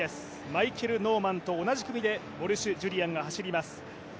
マイケル・ノーマンと同じ組でウォルシュ・ジュリアンが走ります。